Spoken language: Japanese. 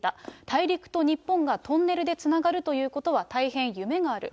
大陸と日本がトンネルでつながるということは、大変夢がある。